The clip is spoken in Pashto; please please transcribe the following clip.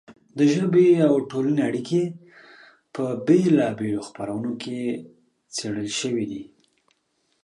د ژبې او ټولنې اړیکې په بېلا بېلو خپرونو کې څېړل شوې دي.